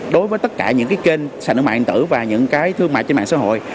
đối với tất cả những cái kênh sản ứng mạng điện tử và những cái thương mại trên mạng xã hội